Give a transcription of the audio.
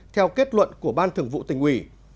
theo kết luận của ban thường vụ tỉnh uỷ